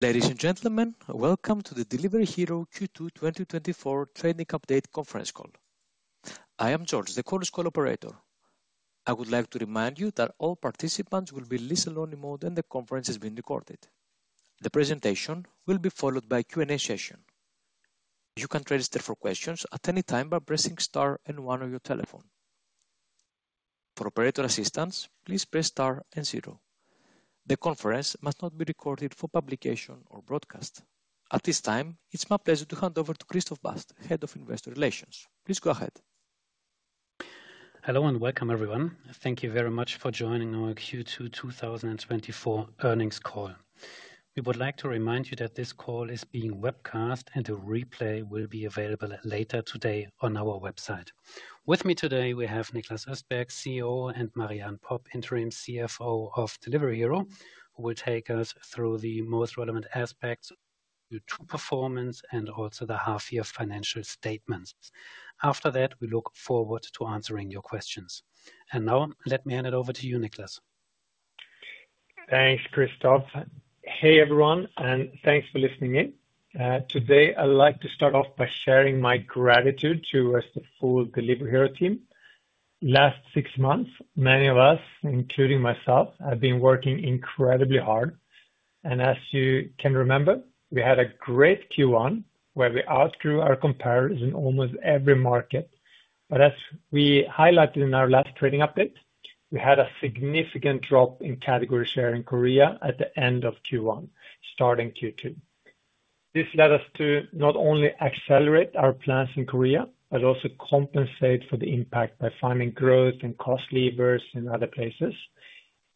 Ladies and gentlemen, welcome to the Delivery Hero Q2 2024 Trading Update conference call. I am George, the conference call operator. I would like to remind you that all participants will be in listen-only mode, and the conference is being recorded. The presentation will be followed by a Q&A session. You can register for questions at any time by pressing star and one on your telephone. For operator assistance, please press star and zero. The conference must not be recorded for publication or broadcast. At this time, it's my pleasure to hand over to Christoph Bast, Head of Investor Relations. Please go ahead. Hello, and welcome, everyone. Thank you very much for joining our Q2 2024 earnings call. We would like to remind you that this call is being webcast, and the replay will be available later today on our website. With me today, we have Niklas Östberg, CEO, and Marie-Anne Popp, Interim CFO of Delivery Hero, who will take us through the most relevant aspects to performance and also the half-year financial statements. After that, we look forward to answering your questions, and now let me hand it over to you, Niklas. Thanks, Christoph. Hey, everyone, and thanks for listening in. Today, I'd like to start off by sharing my gratitude towards the full Delivery Hero team. Last six months, many of us, including myself, have been working incredibly hard, and as you can remember, we had a great Q1, where we outgrew our competitors in almost every market. But as we highlighted in our last trading update, we had a significant drop in category share in Korea at the end of Q1, starting Q2. This led us to not only accelerate our plans in Korea, but also compensate for the impact by finding growth and cost levers in other places.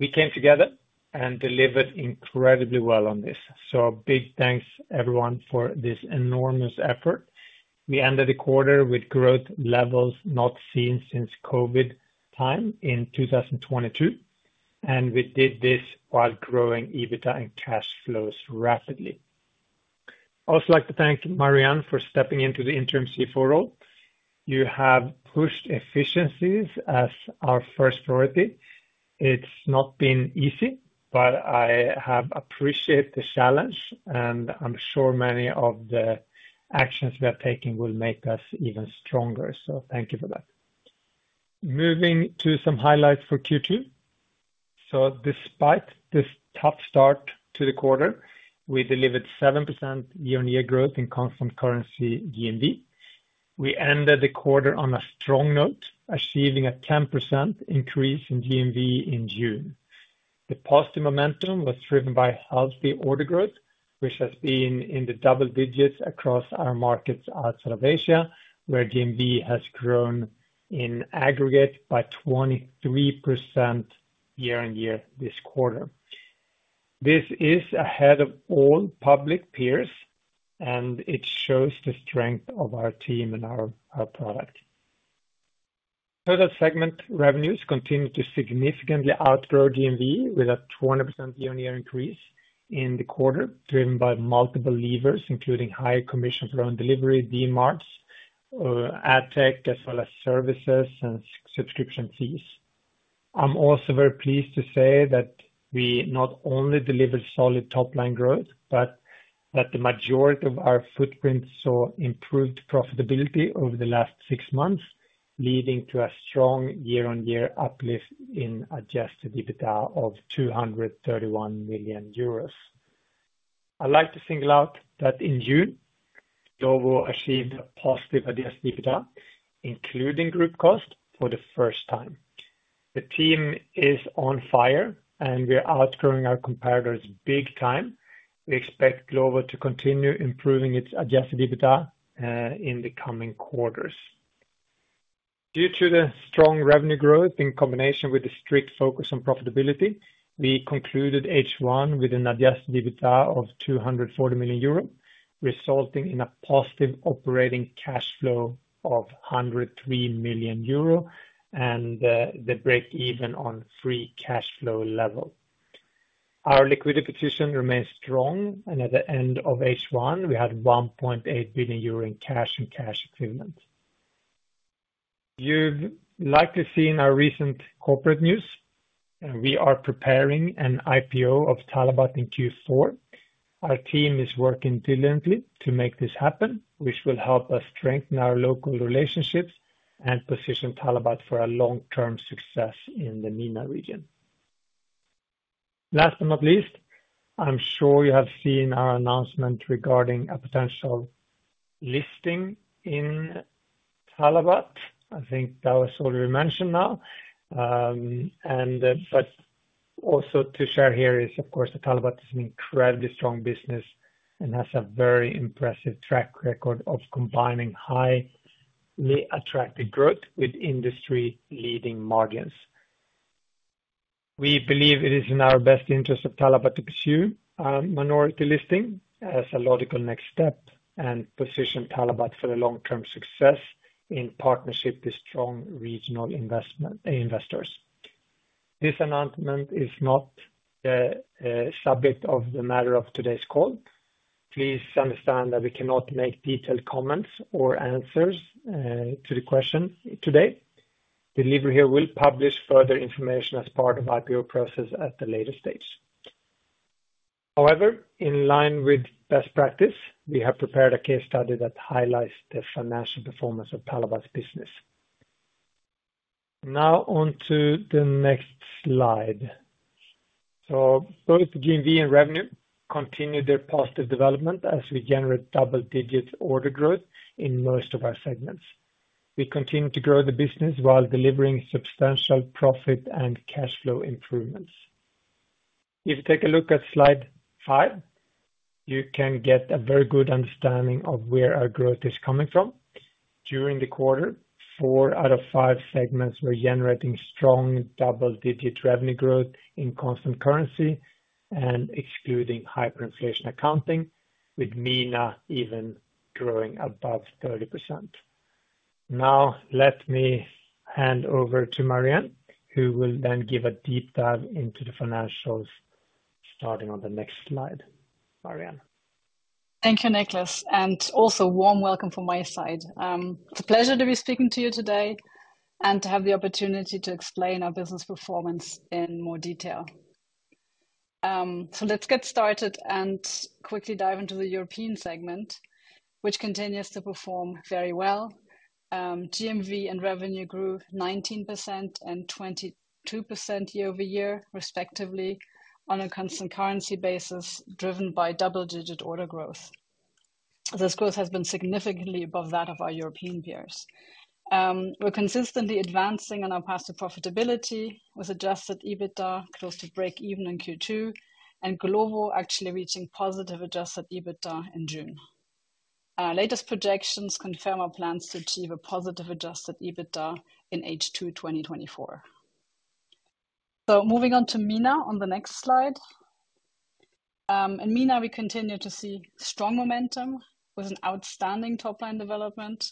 We came together and delivered incredibly well on this, so a big thanks, everyone, for this enormous effort. We ended the quarter with growth levels not seen since COVID time in 2022, and we did this while growing EBITDA and cash flows rapidly. I'd also like to thank Marianne for stepping into the interim CFO role. You have pushed efficiencies as our first priority. It's not been easy, but I have appreciated the challenge, and I'm sure many of the actions we are taking will make us even stronger, so thank you for that. Moving to some highlights for Q2. So despite this tough start to the quarter, we delivered 7% year-on-year growth in constant currency GMV. We ended the quarter on a strong note, achieving a 10% increase in GMV in June. The positive momentum was driven by healthy order growth, which has been in the double digits across our markets outside of Asia, where GMV has grown in aggregate by 23% year on year this quarter. This is ahead of all public peers, and it shows the strength of our team and our product. Total segment revenues continue to significantly outgrow GMV with a 20% year-on-year increase in the quarter, driven by multiple levers, including higher commissions around delivery, Dmart, ad tech, as well as services and subscription fees. I'm also very pleased to say that we not only delivered solid top-line growth, but that the majority of our footprint saw improved profitability over the last six months, leading to a strong year-on-year uplift in adjusted EBITDA of 231 million euros. I'd like to single out that in June, Glovo achieved a positive Adjusted EBITDA, including group cost, for the first time. The team is on fire, and we are outgrowing our competitors big time. We expect Glovo to continue improving its Adjusted EBITDA in the coming quarters. Due to the strong revenue growth, in combination with the strict focus on profitability, we concluded H1 with an Adjusted EBITDA of 240 million euro, resulting in a positive operating cash flow of 103 million euro and the break-even on free cash flow level. Our liquidity position remains strong, and at the end of H1, we had 1.8 billion euro in cash and cash equivalents. You've likely seen our recent corporate news, and we are preparing an IPO of Talabat in Q4. Our team is working diligently to make this happen, which will help us strengthen our local relationships and position Talabat for a long-term success in the MENA region. Last but not least, I'm sure you have seen our announcement regarding a potential listing in Talabat. I think that was already mentioned now. But also to share here is, of course, that Talabat is an incredibly strong business and has a very impressive track record of combining highly attractive growth with industry-leading margins. We believe it is in our best interest of Talabat to pursue minority listing as a logical next step and position Talabat for the long-term success in partnership with strong regional investment investors. This announcement is not a subject of the matter of today's call. Please understand that we cannot make detailed comments or answers to the question today. Delivery Hero will publish further information as part of IPO process at the later stage. However, in line with best practice, we have prepared a case study that highlights the financial performance of Talabat's business. Now on to the next slide, so both GMV and revenue continued their positive development as we generate double-digit order growth in most of our segments. We continue to grow the business while delivering substantial profit and cash flow improvements. If you take a look at slide five, you can get a very good understanding of where our growth is coming from. During the quarter, four out of five segments were generating strong double-digit revenue growth in constant currency and excluding hyperinflation accounting, with MENA even growing above 30%. Now, let me hand over to Marianne, who will then give a deep dive into the financials, starting on the next slide. Marianne? Thank you, Niklas, and also warm welcome from my side. It's a pleasure to be speaking to you today and to have the opportunity to explain our business performance in more detail. So let's get started and quickly dive into the European segment, which continues to perform very well. GMV and revenue grew 19% and 22% year over year, respectively, on a constant currency basis, driven by double-digit order growth. This growth has been significantly above that of our European peers. We're consistently advancing on our path to profitability, with adjusted EBITDA close to break-even in Q2, and Glovo actually reaching positive adjusted EBITDA in June. Our latest projections confirm our plans to achieve a positive adjusted EBITDA in H2 2024. So moving on to MENA on the next slide. In MENA, we continue to see strong momentum with an outstanding top-line development.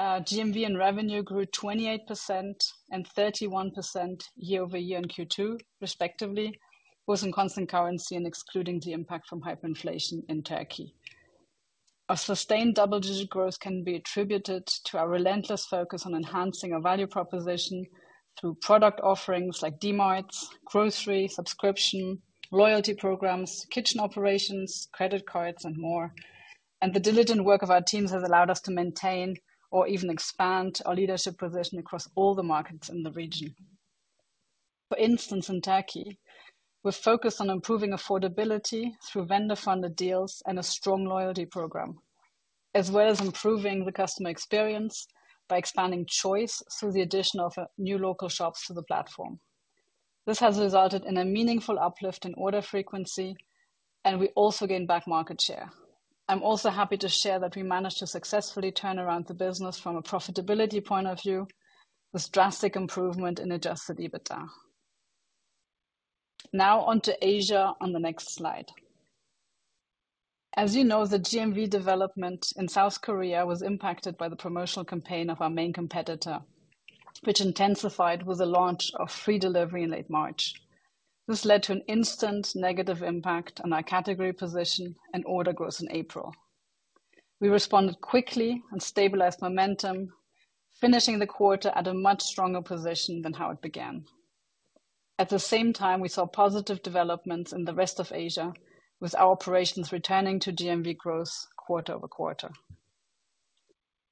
GMV and revenue grew 28% and 31% year over year in Q2, respectively, was in constant currency and excluding the impact from hyperinflation in Turkey. A sustained double-digit growth can be attributed to our relentless focus on enhancing our value proposition through product offerings like Dmart, grocery, subscription, loyalty programs, kitchen operations, credit cards, and more. And the diligent work of our teams has allowed us to maintain or even expand our leadership position across all the markets in the region. For instance, in Turkey, we're focused on improving affordability through vendor-funded deals and a strong loyalty program, as well as improving the customer experience by expanding choice through the addition of new local shops to the platform. This has resulted in a meaningful uplift in order frequency, and we also gain back market share. I'm also happy to share that we managed to successfully turn around the business from a profitability point of view, with drastic improvement in Adjusted EBITDA. Now on to Asia on the next slide. As you know, the GMV development in South Korea was impacted by the promotional campaign of our main competitor, which intensified with the launch of free delivery in late March. This led to an instant negative impact on our category position and order growth in April. We responded quickly and stabilized momentum, finishing the quarter at a much stronger position than how it began. At the same time, we saw positive developments in the rest of Asia, with our operations returning to GMV growth quarter over quarter.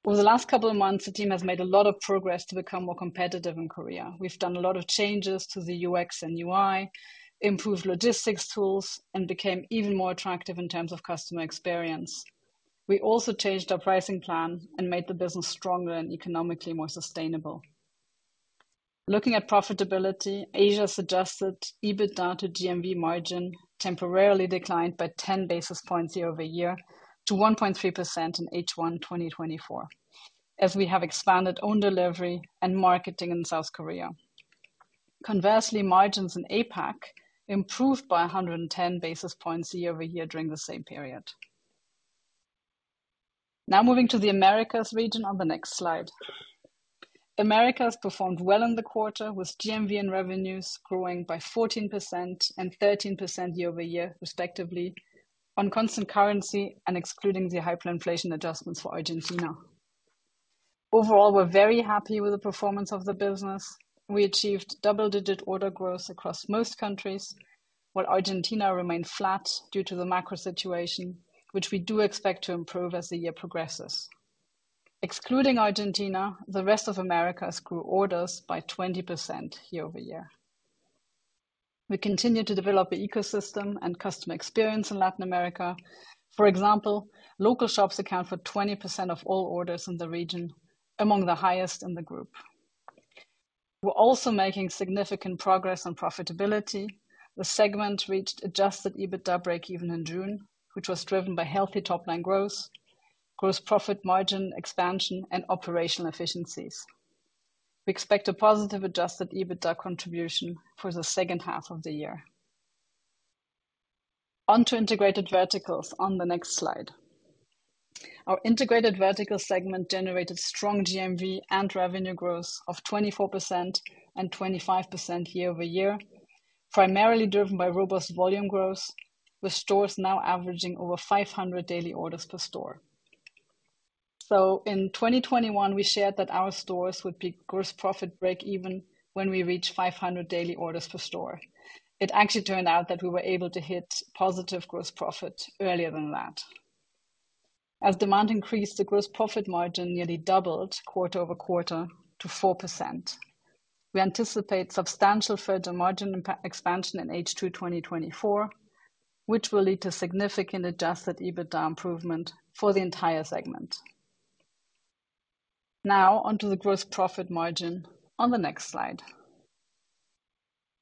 Over the last couple of months, the team has made a lot of progress to become more competitive in Korea. We've done a lot of changes to the UX and UI, improved logistics tools, and became even more attractive in terms of customer experience. We also changed our pricing plan and made the business stronger and economically more sustainable. Looking at profitability, Asia's adjusted EBITDA to GMV margin temporarily declined by ten basis points year over year to 1.3% in H1 2024, as we have expanded own delivery and marketing in South Korea. Conversely, margins in APAC improved by 110 basis points year over year during the same period. Now moving to the Americas region on the next slide. Americas performed well in the quarter, with GMV and revenues growing by 14% and 13% year over year, respectively, on constant currency and excluding the hyperinflation adjustments for Argentina. Overall, we're very happy with the performance of the business. We achieved double-digit order growth across most countries, while Argentina remained flat due to the macro situation, which we do expect to improve as the year progresses. Excluding Argentina, the rest of Americas grew orders by 20% year over year. We continue to develop the ecosystem and customer experience in Latin America. For example, local shops account for 20% of all orders in the region, among the highest in the group. We're also making significant progress on profitability. The segment reached adjusted EBITDA break even in June, which was driven by healthy top-line growth, gross profit margin expansion, and operational efficiencies. We expect a positive Adjusted EBITDA contribution for the second half of the year. On to integrated verticals on the next slide. Our integrated vertical segment generated strong GMV and revenue growth of 24% and 25% year over year, primarily driven by robust volume growth, with stores now averaging over 500 daily orders per store. So in 2021, we shared that our stores would be gross profit break even when we reach 500 daily orders per store. It actually turned out that we were able to hit positive gross profit earlier than that. As demand increased, the gross profit margin nearly doubled quarter over quarter to 4%. We anticipate substantial further margin expansion in H2 2024, which will lead to significant Adjusted EBITDA improvement for the entire segment. Now on to the gross profit margin on the next slide.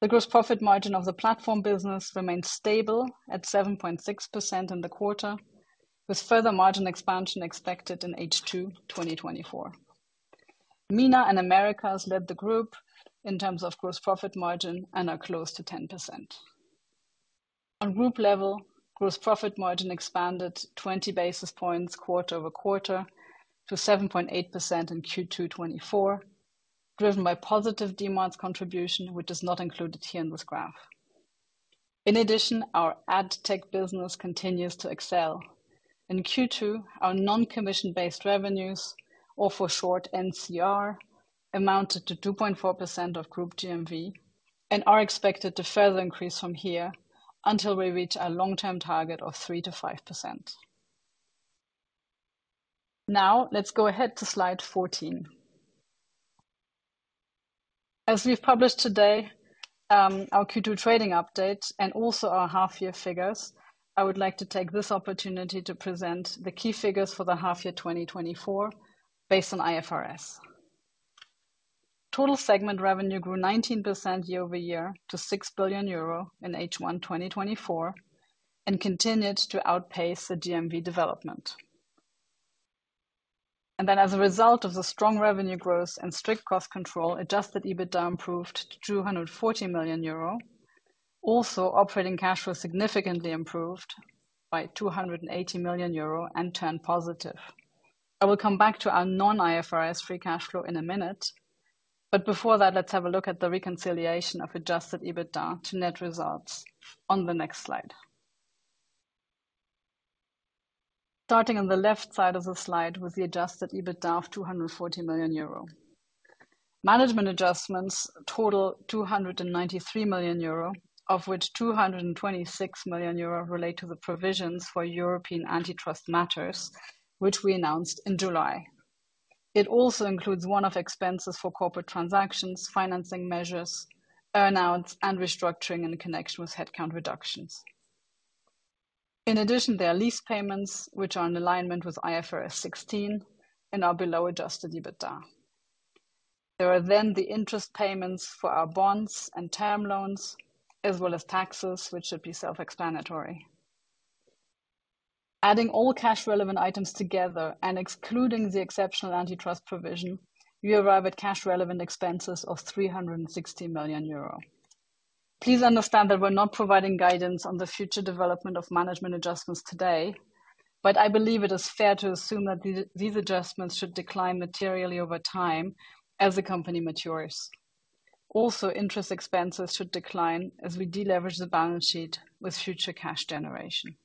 The gross profit margin of the platform business remained stable at 7.6% in the quarter, with further margin expansion expected in H2 2024. MENA and Americas led the group in terms of gross profit margin and are close to 10%. On group level, gross profit margin expanded 20 basis points quarter over quarter to 7.8% in Q2 2024, driven by positive demand contribution, which is not included here in this graph. In addition, our ad tech business continues to excel. In Q2, our non-commission-based revenues, or for short, NCR, amounted to 2.4% of group GMV and are expected to further increase from here until we reach our long-term target of 3%-5%. Now, let's go ahead to slide 14. As we've published today, our Q2 trading update and also our half year figures, I would like to take this opportunity to present the key figures for the half year 2024 based on IFRS. Total segment revenue grew 19% year over year to 6 billion euro in H1 2024, and continued to outpace the GMV development. Then, as a result of the strong revenue growth and strict cost control, adjusted EBITDA improved to 240 million euro. Also, operating cash flow significantly improved by 280 million euro and turned positive. I will come back to our non-IFRS free cash flow in a minute, but before that, let's have a look at the reconciliation of adjusted EBITDA to net results on the next slide. Starting on the left side of the slide with the adjusted EBITDA of 240 million euro. Management adjustments total 293 million euro, of which 226 million euro relate to the provisions for European antitrust matters, which we announced in July. It also includes one-off expenses for corporate transactions, financing measures, earn-outs, and restructuring in connection with headcount reductions. In addition, there are lease payments, which are in alignment with IFRS 16 and are below adjusted EBITDA. There are then the interest payments for our bonds and term loans, as well as taxes, which should be self-explanatory. Adding all cash-relevant items together and excluding the exceptional antitrust provision, we arrive at cash-relevant expenses of 360 million euro. Please understand that we're not providing guidance on the future development of management adjustments today, but I believe it is fair to assume that these adjustments should decline materially over time as the company matures. Also, interest expenses should decline as we deleverage the balance sheet with future cash generation.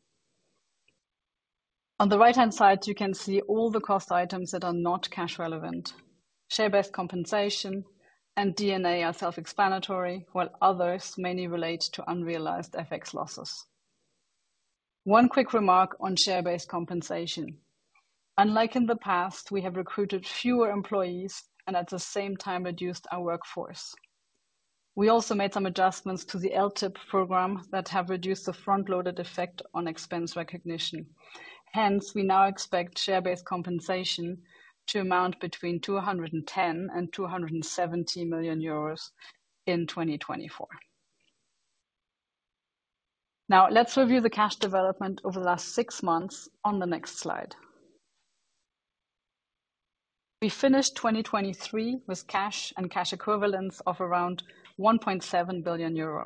On the right-hand side, you can see all the cost items that are not cash relevant. Share-based compensation and D&A are self-explanatory, while others mainly relate to unrealized FX losses. One quick remark on share-based compensation. Unlike in the past, we have recruited fewer employees and at the same time reduced our workforce. We also made some adjustments to the LTIP program that have reduced the front-loaded effect on expense recognition. Hence, we now expect share-based compensation to amount between 210 and 270 million EUR in 2024. Now, let's review the cash development over the last six months on the next slide. We finished 2023 with cash and cash equivalents of around 1.7 billion euro.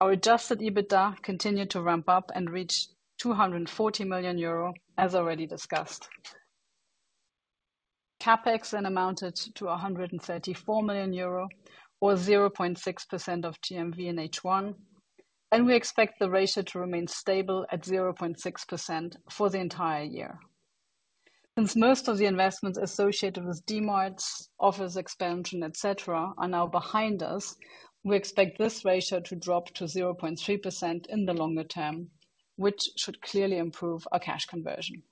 Our adjusted EBITDA continued to ramp up and reach 240 million euro, as already discussed. CapEx then amounted to 134 million euro, or 0.6% of GMV in H1, and we expect the ratio to remain stable at 0.6% for the entire year. Since most of the investments associated with Dmart's office expansion, et cetera, are now behind us, we expect this ratio to drop to 0.3% in the longer term, which should clearly improve our cash conversion.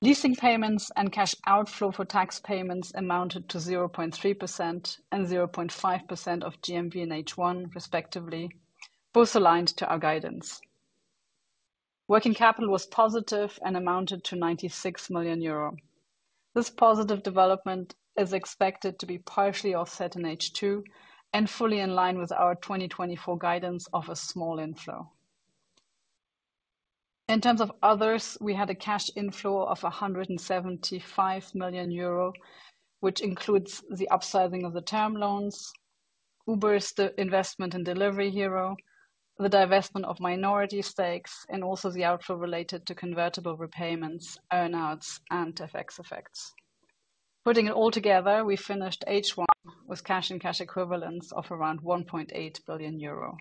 Leasing payments and cash outflow for tax payments amounted to 0.3% and 0.5% of GMV in H1, respectively, both aligned to our guidance. Working capital was positive and amounted to 96 million euro. This positive development is expected to be partially offset in H2 and fully in line with our 2024 guidance of a small inflow. In terms of others, we had a cash inflow of 175 million euro, which includes the upsizing of the term loans, Uber's investment in Delivery Hero, the divestment of minority stakes, and also the outflow related to convertible repayments, earn-outs, and FX effects. Putting it all together, we finished H1 with cash and cash equivalents of around 1.8 billion euro.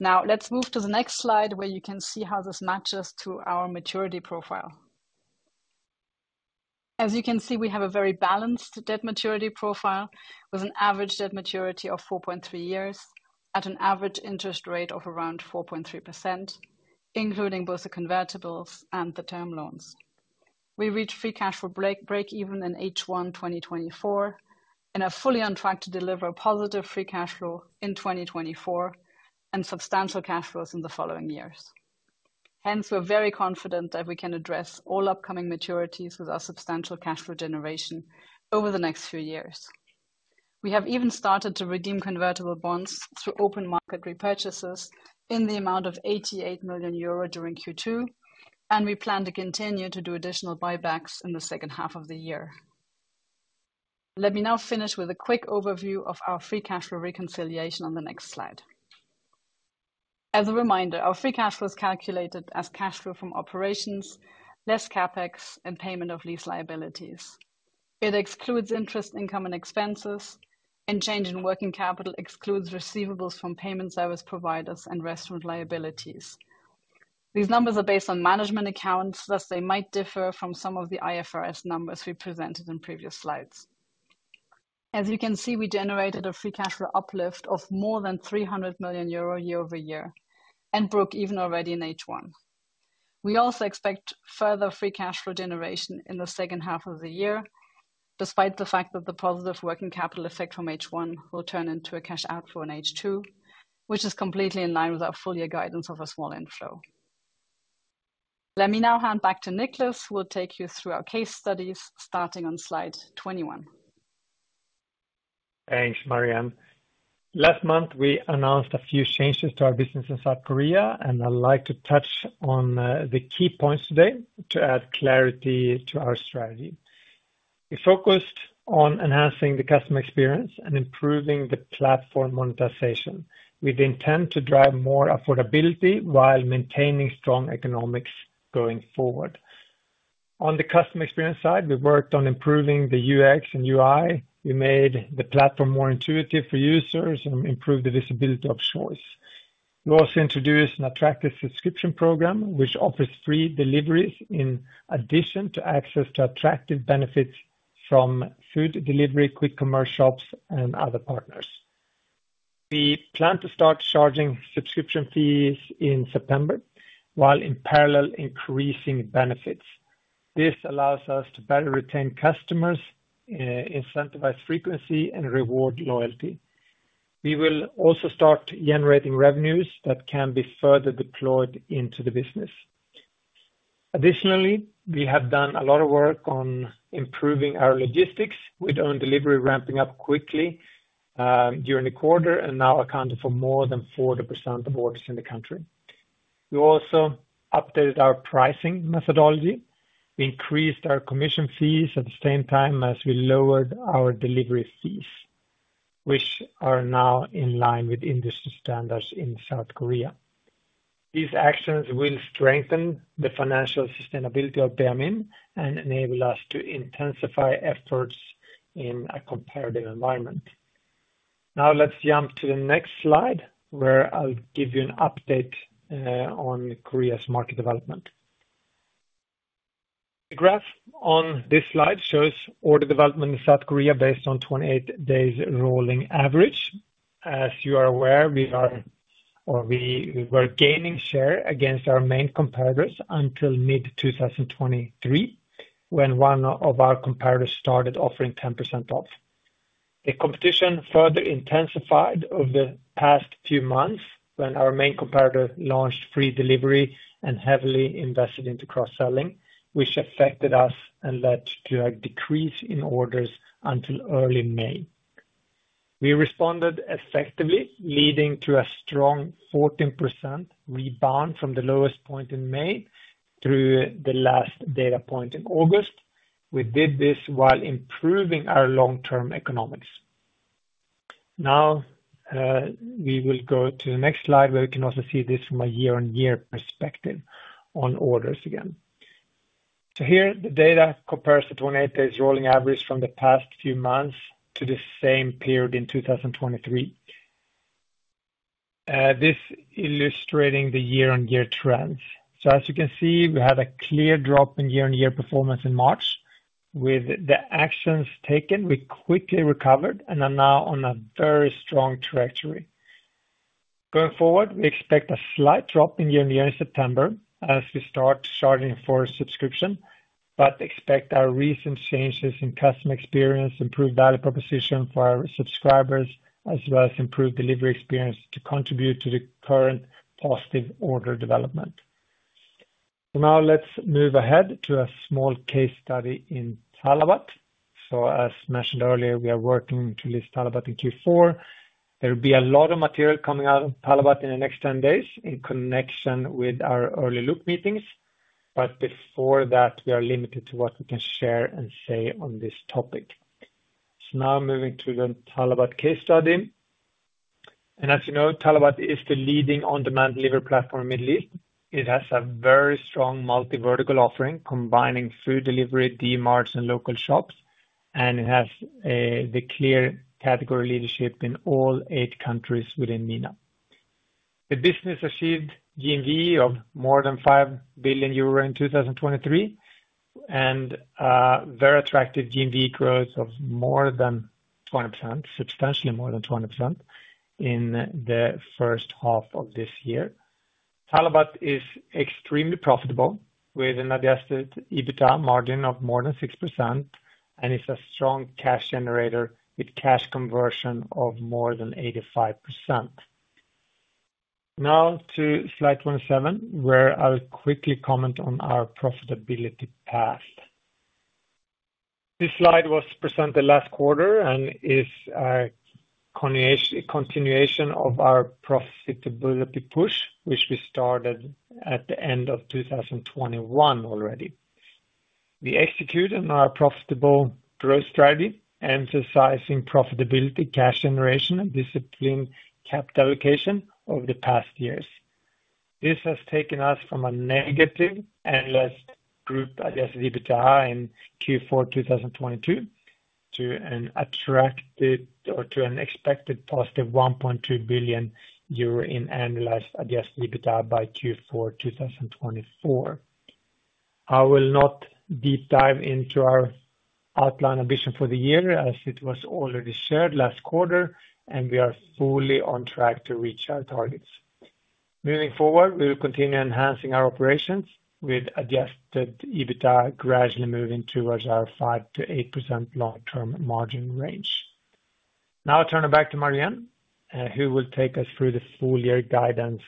Now, let's move to the next slide, where you can see how this matches to our maturity profile. As you can see, we have a very balanced debt maturity profile, with an average debt maturity of 4.3 years, at an average interest rate of around 4.3%, including both the convertibles and the term loans. We reached free cash flow break even in H1 2024, and are fully on track to deliver positive free cash flow in 2024, and substantial cash flows in the following years. Hence, we're very confident that we can address all upcoming maturities with our substantial cash flow generation over the next few years. We have even started to redeem convertible bonds through open market repurchases in the amount of 88 million euro during Q2, and we plan to continue to do additional buybacks in the second half of the year. Let me now finish with a quick overview of our free cash flow reconciliation on the next slide. As a reminder, our free cash flow is calculated as cash flow from operations, less CapEx, and payment of lease liabilities. It excludes interest, income, and expenses, and change in working capital excludes receivables from payment service providers and restaurant liabilities. These numbers are based on management accounts, thus they might differ from some of the IFRS numbers we presented in previous slides. As you can see, we generated a free cash flow uplift of more than 300 million euro year over year, and broke even already in H1. We also expect further free cash flow generation in the second half of the year, despite the fact that the positive working capital effect from H1 will turn into a cash outflow in H2, which is completely in line with our full year guidance of a small inflow. Let me now hand back to Niklas, who will take you through our case studies starting on slide twenty-one. Thanks, Marianne. Last month, we announced a few changes to our business in South Korea, and I'd like to touch on the key points today to add clarity to our strategy. We focused on enhancing the customer experience and improving the platform monetization, with intent to drive more affordability while maintaining strong economics going forward. On the customer experience side, we've worked on improving the UX and UI. We made the platform more intuitive for users and improved the visibility of choice. We also introduced an attractive subscription program, which offers free deliveries in addition to access to attractive benefits from food delivery, quick commerce shops, and other partners. We plan to start charging subscription fees in September, while in parallel, increasing benefits. This allows us to better retain customers, incentivize frequency, and reward loyalty. We will also start generating revenues that can be further deployed into the business. Additionally, we have done a lot of work on improving our logistics, with own delivery ramping up quickly, during the quarter and now accounting for more than 40% of orders in the country. We also updated our pricing methodology. We increased our commission fees at the same time as we lowered our delivery fees, which are now in line with industry standards in South Korea. These actions will strengthen the financial sustainability of Baemin and enable us to intensify efforts in a competitive environment. Now, let's jump to the next slide, where I'll give you an update, on Korea's market development. The graph on this slide shows order development in South Korea based on 28 days rolling average. As you are aware, we were gaining share against our main competitors until mid-2023, when one of our competitors started offering 10% off. The competition further intensified over the past few months when our main competitor launched free delivery and heavily invested into cross-selling, which affected us and led to a decrease in orders until early May. We responded effectively, leading to a strong 14% rebound from the lowest point in May through the last data point in August. We did this while improving our long-term economics. Now, we will go to the next slide, where we can also see this from a year-on-year perspective on orders again. So here, the data compares the 28 days rolling average from the past few months to the same period in 2023. This illustrating the year-on-year trends. So as you can see, we had a clear drop in year-on-year performance in March. With the actions taken, we quickly recovered and are now on a very strong trajectory. Going forward, we expect a slight drop in year-on-year in September as we start charging for a subscription, but expect our recent changes in customer experience, improved value proposition for our subscribers, as well as improved delivery experience, to contribute to the current positive order development. So now let's move ahead to a small case study in Talabat. So as mentioned earlier, we are working to list Talabat in Q4. There will be a lot of material coming out on Talabat in the next 10 days in connection with our early look meetings, but before that, we are limited to what we can share and say on this topic. So now moving to the Talabat case study.... And as you know, Talabat is the leading on-demand delivery platform in the Middle East. It has a very strong multi-vertical offering, combining food delivery, Dmarts, and local shops, and it has the clear category leadership in all eight countries within MENA. The business achieved GMV of more than 5 billion euro in 2023, and very attractive GMV growth of more than 20%, substantially more than 20%, in the first half of this year. Talabat is extremely profitable, with an adjusted EBITDA margin of more than 6%, and it's a strong cash generator with cash conversion of more than 85%. Now to slide 27, where I'll quickly comment on our profitability path. This slide was presented last quarter and is a continuation of our profitability push, which we started at the end of 2021 already. We executed our profitable growth strategy, emphasizing profitability, cash generation, and disciplined capital allocation over the past years. This has taken us from a negative Group adjusted EBITDA in Q4 2022, to an attractive or to an expected positive 1.2 billion euro in annualized adjusted EBITDA by Q4 2024. I will not deep dive into our outlined ambition for the year, as it was already shared last quarter, and we are fully on track to reach our targets. Moving forward, we will continue enhancing our operations with adjusted EBITDA, gradually moving towards our 5%-8% long-term margin range. Now I'll turn it back to Marianne, who will take us through the full year guidance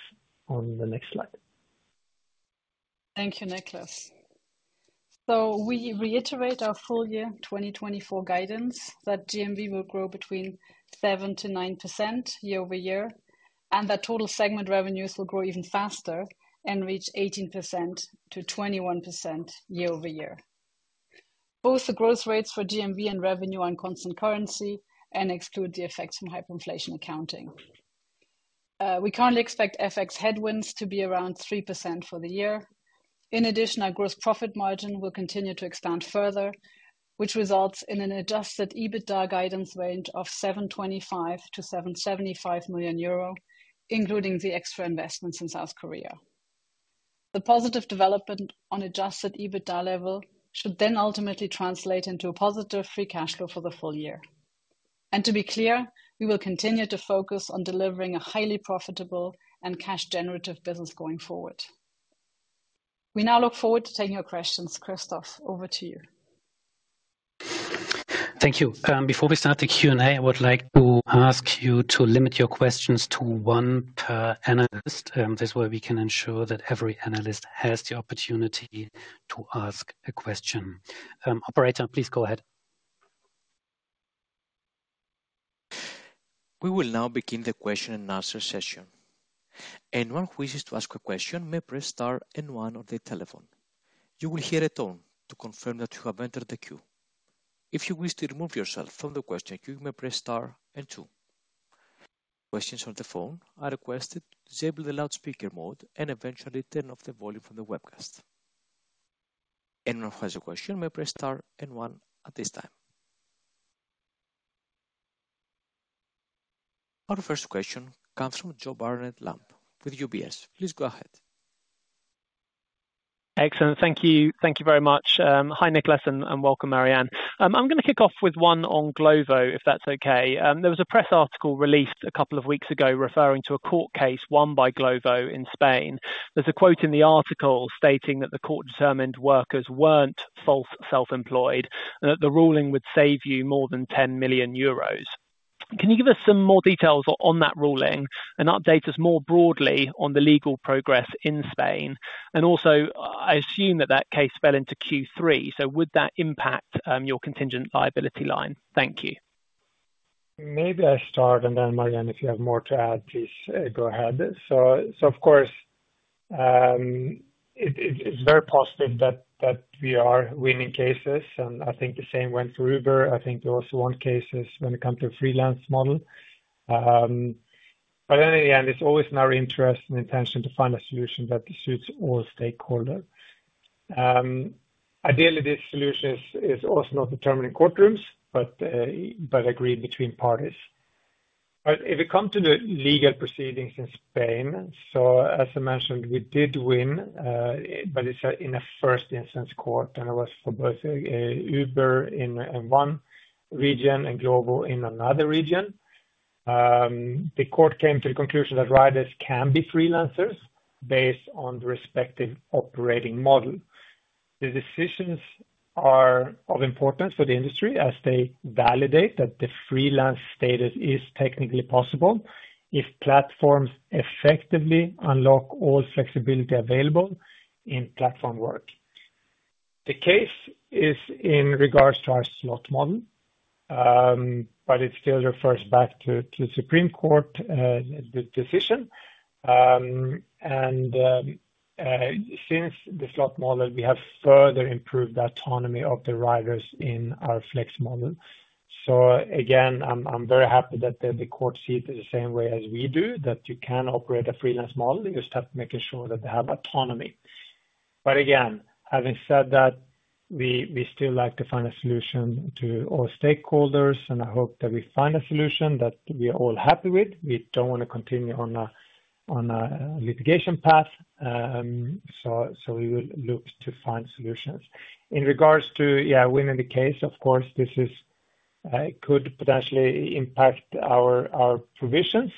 on the next slide. Thank you, Niklas. We reiterate our full year 2024 guidance that GMV will grow between 7-9% year over year, and that total segment revenues will grow even faster and reach 18%-21% year over year. Both the growth rates for GMV and revenue on constant currency and exclude the effects from hyperinflation accounting. We currently expect FX headwinds to be around 3% for the year. In addition, our gross profit margin will continue to expand further, which results in an adjusted EBITDA guidance range of 725 million-775 million euro, including the extra investments in South Korea. The positive development on adjusted EBITDA level should then ultimately translate into a positive free cash flow for the full year, and to be clear, we will continue to focus on delivering a highly profitable and cash generative business going forward. We now look forward to taking your questions. Christoph, over to you. Thank you. Before we start the Q&A, I would like to ask you to limit your questions to one per analyst, this way we can ensure that every analyst has the opportunity to ask a question. Operator, please go ahead. We will now begin the question and answer session. Anyone who wishes to ask a question may press star and one on their telephone. You will hear a tone to confirm that you have entered the queue. If you wish to remove yourself from the question queue, you may press star and two. Questions on the phone are requested to disable the loudspeaker mode and eventually turn off the volume from the webcast. Anyone who has a question may press star and one at this time. Our first question comes from Joe Barnet-Lamb with UBS. Please go ahead. Excellent. Thank you. Thank you very much. Hi, Niklas, and welcome, Marianne. I'm gonna kick off with one on Glovo, if that's okay. There was a press article released a couple of weeks ago, referring to a court case won by Glovo in Spain. There's a quote in the article stating that the court determined workers weren't false self-employed, and that the ruling would save you more than 10 million euros. Can you give us some more details on that ruling and update us more broadly on the legal progress in Spain? And also, I assume that that case fell into Q3, so would that impact your contingent liability line? Thank you. Maybe I start, and then, Marianne, if you have more to add, please, go ahead. So, of course, it's very positive that we are winning cases, and I think the same went for Uber. I think they also won cases when it comes to freelance model. But then in the end, it's always in our interest and intention to find a solution that suits all stakeholder. Ideally, this solution is also not determined in courtrooms, but agreed between parties. But if it come to the legal proceedings in Spain, so as I mentioned, we did win, but it's in a first instance court, and it was for both, Uber in one region and Glovo in another region. The court came to the conclusion that riders can be freelancers based on the respective operating model. The decisions are of importance for the industry as they validate that the freelance status is technically possible if platforms effectively unlock all flexibility available in platform work. The case is in regards to our slot model, but it still refers back to the Supreme Court decision. Since the slot model, we have further improved the autonomy of the riders in our flex model. Again, I'm very happy that the court see it the same way as we do, that you can operate a freelance model. You just have to making sure that they have autonomy, but again, having said that, we still like to find a solution to all stakeholders, and I hope that we find a solution that we are all happy with. We don't wanna continue on a litigation path, so we will look to find solutions. In regards to winning the case, of course, this could potentially impact our provisions.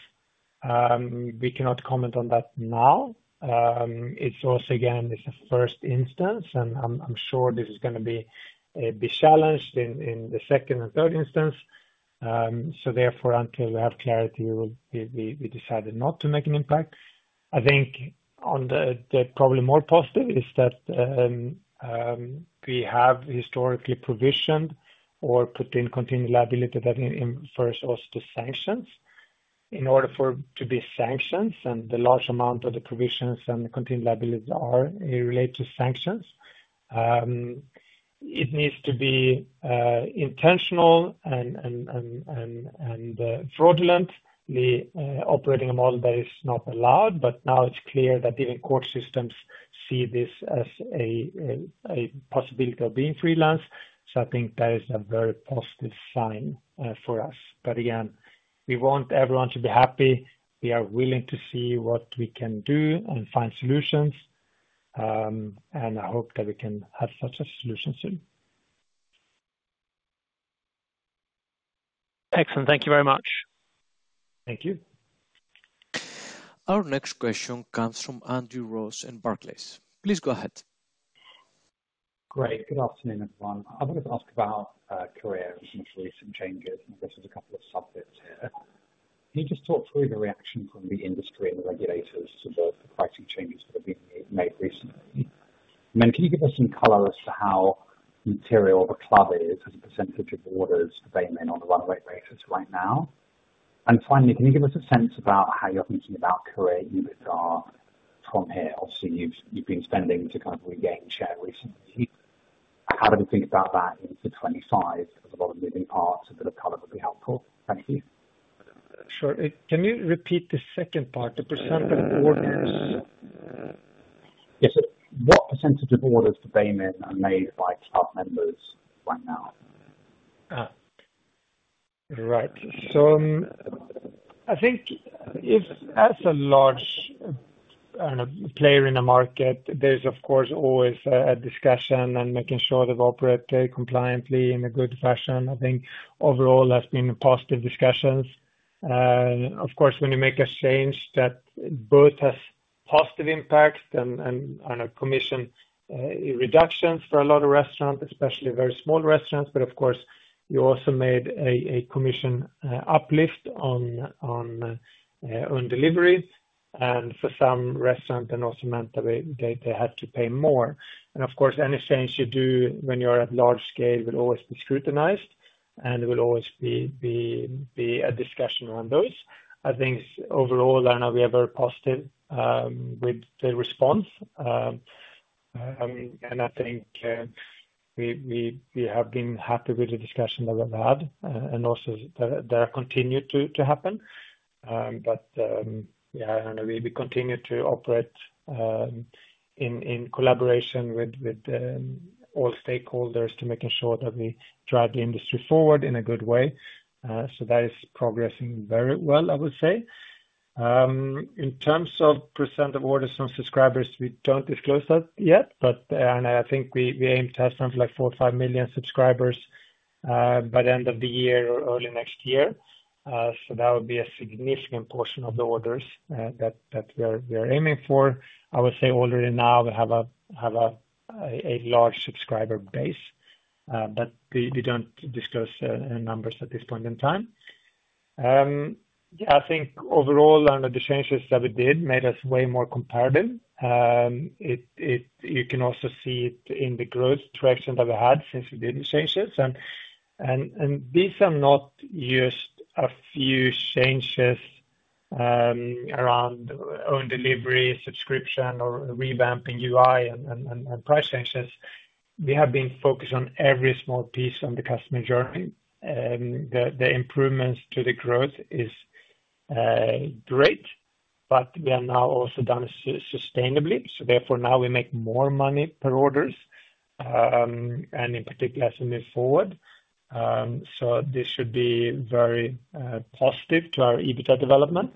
We cannot comment on that now. It's also a first instance, and I'm sure this is gonna be challenged in the second and third instance. So therefore, until we have clarity, we decided not to make an impact. I think the probably more positive is that we have historically provisioned or put in continued liability that infers us to sanctions. In order for there to be sanctions and the large amount of the provisions and the continued liabilities are related to sanctions, it needs to be intentional and fraudulent, the operating model that is not allowed, but now it's clear that even court systems see this as a possibility of being freelance. So I think that is a very positive sign for us. But again, we want everyone to be happy. We are willing to see what we can do and find solutions, and I hope that we can have such a solution soon. Excellent. Thank you very much. Thank you. Our next question comes from Andrew Ross in Barclays. Please go ahead. Great. Good afternoon, everyone. I wanted to ask about careers and recent changes. Of course, there's a couple of subjects here. Can you just talk through the reaction from the industry and the regulators to the pricing changes that have been made recently? Can you give us some color as to how material the club is as a percentage of the orders that they made on the runway races right now? Finally, can you give us a sense about how you're thinking about career EBITDA from here? Obviously, you've been spending to kind of regain share recently. How do we think about that into 2025? There's a lot of moving parts, a bit of color would be helpful. Thank you. Sure. Can you repeat the second part, the percentage of orders? Yes, sir. What percentage of orders today, ma'am, are made by club members right now? Ah, right. So, I think if as a large player in the market, there's of course always a discussion and making sure they operate compliantly in a good fashion. I think overall there's been positive discussions. Of course, when you make a change that both has positive impacts and on a commission reductions for a lot of restaurants, especially very small restaurants, but of course, you also made a commission uplift on own deliveries, and for some restaurant, and also meant that they had to pay more. And of course, any change you do when you're at large scale will always be scrutinized, and there will always be a discussion on those. I think overall we are very positive with the response. And I think we have been happy with the discussion that we've had, and also that there are continued to happen. But yeah, and we continue to operate in collaboration with all stakeholders to making sure that we drive the industry forward in a good way. So that is progressing very well, I would say. In terms of percent of orders from subscribers, we don't disclose that yet, but and I think we aim to have something like four or five million subscribers by the end of the year or early next year. So that would be a significant portion of the orders that we're aiming for. I would say already now, we have a large subscriber base, but we don't discuss numbers at this point in time. I think overall, and the changes that we did made us way more competitive. You can also see it in the growth traction that we had since we did the changes. These are not just a few changes around own delivery, subscription, or revamping UI and price changes. We have been focused on every small piece on the customer journey, and the improvements to the growth is great, but we are now also doing it sustainably, so therefore, now we make more money per orders, and in particular, as we move forward. So this should be very positive to our EBITDA development,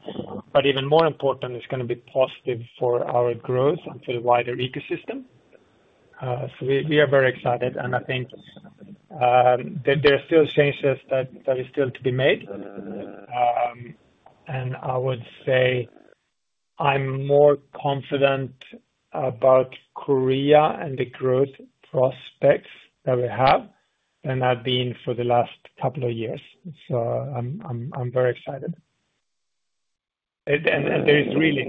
but even more important, it's gonna be positive for our growth and to the wider ecosystem. So we are very excited, and I think there are still changes that is still to be made. And I would say, I'm more confident about Korea and the growth prospects that we have than I've been for the last couple of years. So I'm very excited. And there is really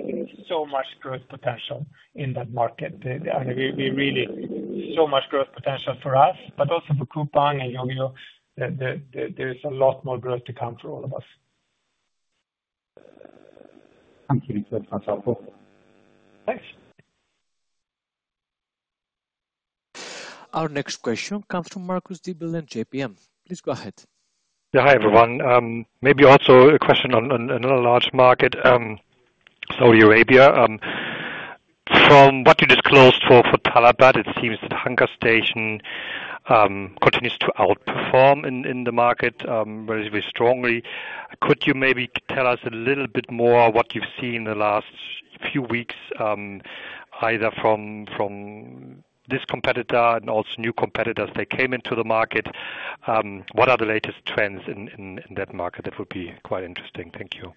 so much growth potential in that market. We really so much growth potential for us, but also for Coupang and Yogiyo, there is a lot more growth to come for all of us. Thank you. Thanks.... Our next question comes from Marcus Diebel in JPM. Please go ahead. Yeah. Hi, everyone. Maybe also a question on another large market, Saudi Arabia. From what you disclosed for Talabat, it seems that HungerStation continues to outperform in the market very strongly. Could you maybe tell us a little bit more what you've seen in the last few weeks, either from this competitor and also new competitors that came into the market? What are the latest trends in that market? That would be quite interesting. Thank you.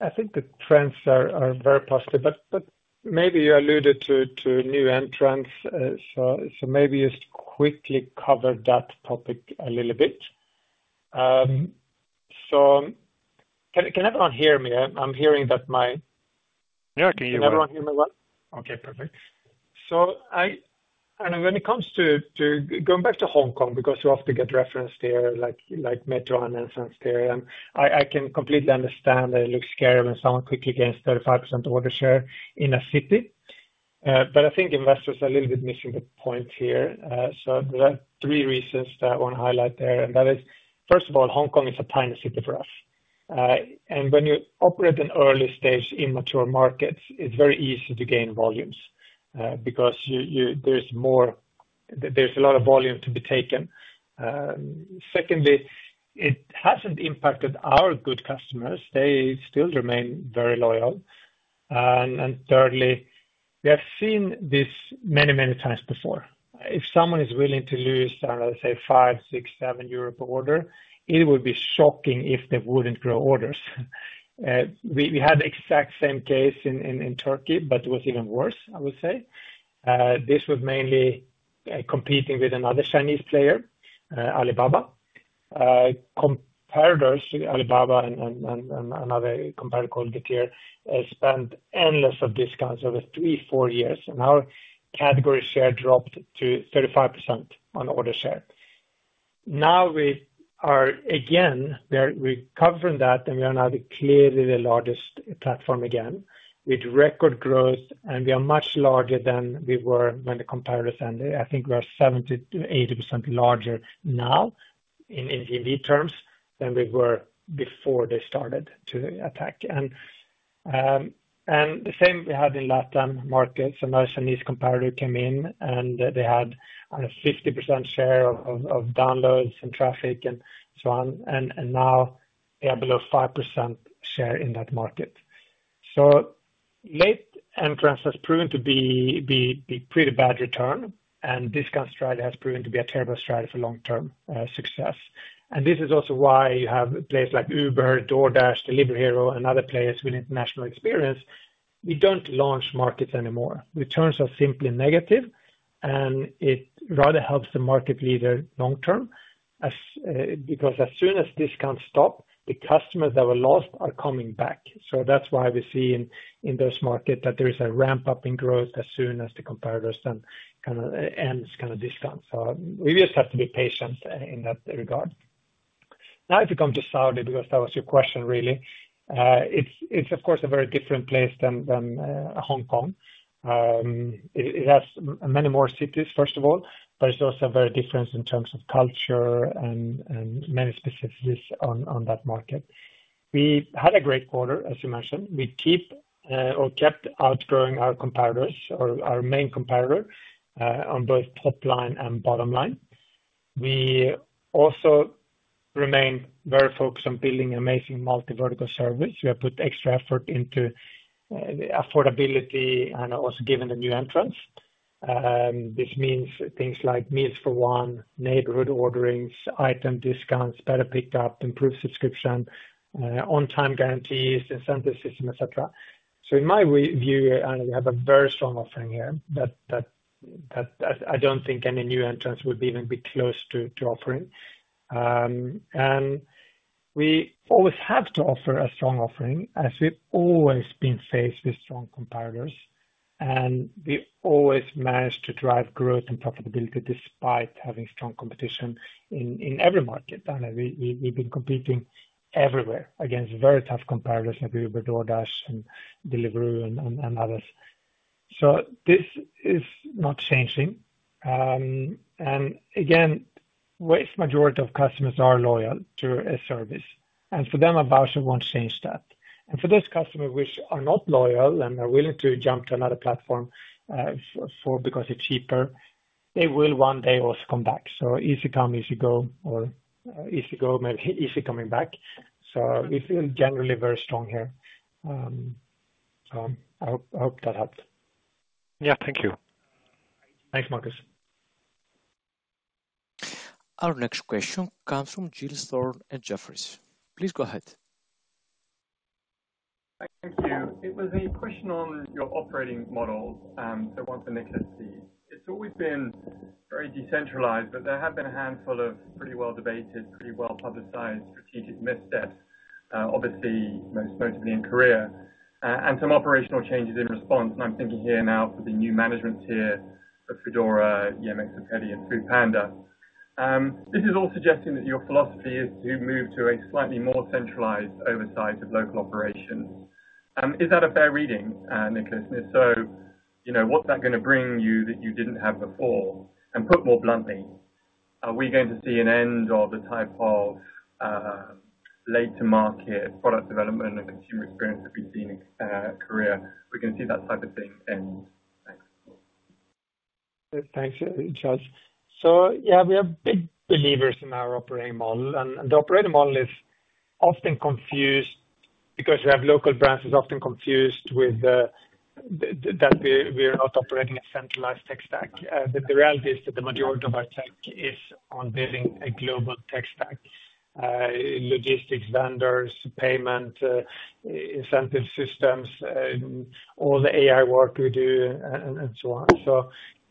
I think the trends are very positive, but maybe you alluded to new entrants, so maybe just quickly cover that topic a little bit. So can everyone hear me? I'm hearing that my- Yeah, I can hear you. Can everyone hear me well? Okay, perfect. So, and when it comes to going back to Hong Kong, because you often get referenced there, like, Meituan announcements there, I can completely understand that it looks scary when someone quickly gains 35% order share in a city. But I think investors are a little bit missing the point here. So there are three reasons that I want to highlight there, and that is, first of all, Hong Kong is a tiny city for us. And when you operate at an early stage in mature markets, it's very easy to gain volumes, because there's more. There's a lot of volume to be taken. Secondly, it hasn't impacted our good customers. They still remain very loyal. And thirdly, we have seen this many, many times before. If someone is willing to lose, I don't know, say 5, 6, 7 euro per order, it would be shocking if they wouldn't grow orders. We had the exact same case in Turkey, but it was even worse, I would say. This was mainly competing with another Chinese player, Alibaba. Competitors, Alibaba and another competitor called Getir, spent endless of discounts over three, four years, and our category share dropped to 35% on order share. Now we are again recovering that, and we are now clearly the largest platform again, with record growth, and we are much larger than we were when the competitors ended. I think we are 70%-80% larger now in GMV terms than we were before they started to attack. The same we had in Latin markets, another Chinese competitor came in, and they had, I don't know, 50% share of downloads and traffic and so on. Now they are below 5% share in that market. Late entrants has proven to be pretty bad return, and discount strategy has proven to be a terrible strategy for long-term success. This is also why you have places like Uber, DoorDash, Delivery Hero, and other players with international experience. We don't launch markets anymore. Returns are simply negative, and it rather helps the market leader long term because as soon as discounts stop, the customers that were lost are coming back. That's why we see in this market that there is a ramp-up in growth as soon as the competitors then kinda end their discount. So we just have to be patient in that regard. Now, to come to Saudi, because that was your question, really. It's of course a very different place than Hong Kong. It has many more cities, first of all, but it's also very different in terms of culture and many specificities on that market. We had a great quarter, as you mentioned. We keep or kept outgrowing our competitors or our main competitor on both top line and bottom line. We also remain very focused on building an amazing multi-vertical service. We have put extra effort into affordability and also given the new entrants. This means things like meals for one, neighborhood orderings, item discounts, better pickup, improved subscription, on-time guarantees, incentive system, et cetera. So in my review, and we have a very strong offering here, that I don't think any new entrants would even be close to offering. And we always have to offer a strong offering, as we've always been faced with strong competitors, and we always manage to drive growth and profitability despite having strong competition in every market. And we've been competing everywhere against very tough competitors like Uber, DoorDash and Deliveroo and others. So this is not changing. And again, vast majority of customers are loyal to a service, and for them, a voucher won't change that. And for those customers which are not loyal and are willing to jump to another platform because it's cheaper, they will one day also come back. So easy come, easy go, or easy go, maybe easy coming back. So we feel generally very strong here. So I hope, I hope that helps. Yeah. Thank you. Thanks, Marcus. Our next question comes from Giles Thorne at Jefferies. Please go ahead. Thank you. It was a question on your operating model, so once the liquidity. It's always been very decentralized, but there have been a handful of pretty well-debated, pretty well-publicized strategic missteps, obviously, most notably in Korea, and some operational changes in response. And I'm thinking here now for the new management tier of Foodora, Dmart, Rappi, and Foodpanda. This is all suggesting that your philosophy is to move to a slightly more centralized oversight of local operations. Is that a fair reading, Niklas? And if so, you know, what's that gonna bring you that you didn't have before? And put more bluntly, are we going to see an end of the type of late to market product development and consumer experience that we've seen in Korea? We're gonna see that type of thing end. Thanks. Thanks, Charles. So yeah, we are big believers in our operating model, and the operating model is often confused because we have local brands, is often confused with that we are not operating a centralized tech stack. But the reality is that the majority of our tech is on building a global tech stack. Logistics, vendors, payment, incentive systems, all the AI work we do, and so on.